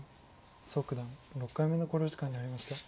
蘇九段６回目の考慮時間に入りました。